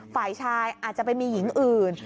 ฝ่ายชายอาจจะไปมีหญิงอื่น